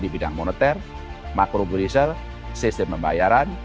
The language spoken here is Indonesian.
di bidang moneter makrobriser sistem membayaran